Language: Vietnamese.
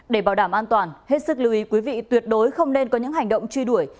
để bảo đảm an toàn hết sức lưu ý quý vị tuyệt đối không nên có những hành động truy đuổi